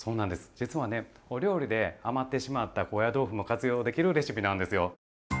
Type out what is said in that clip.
実はねお料理で余ってしまった高野豆腐も活用できるレシピなんですよ。